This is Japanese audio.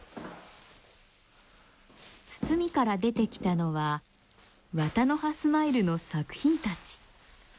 包みから出てきたのはワタノハスマイルの作品たち。